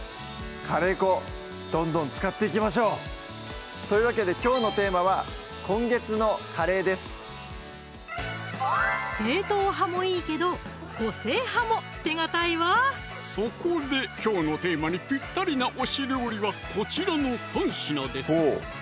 カレー粉どんどん使っていきましょうというわけできょうのテーマは「今月のカレー」ですそこできょうのテーマにぴったりな推し料理はこちらの３品です